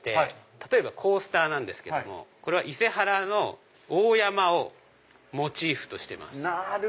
例えばコースターなんですけどこれは伊勢原の大山をモチーフとしてます。